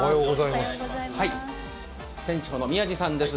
店長の宮路さんです。